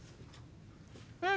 うん。